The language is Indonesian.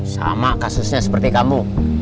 sama kasusnya seperti kamu